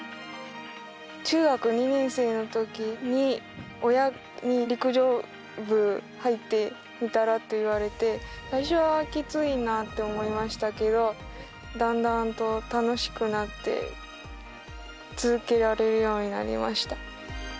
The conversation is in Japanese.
中学２年生のときに親に陸上部入ってみたらと言われて最初は、きついなと思いましたけどだんだんと楽しくなって続けられるようになりました。